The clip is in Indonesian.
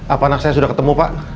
apa anak saya sudah ketemu pak